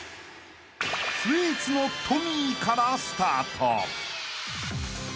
［スイーツのトミーからスタート］